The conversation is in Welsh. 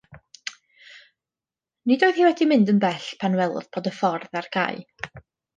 Nid oedd hi wedi mynd yn bell pan welodd bod y ffordd ar gau.